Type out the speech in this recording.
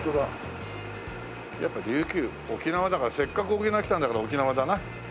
やっぱ琉球沖縄だからせっかく沖縄来たんだから沖縄だな。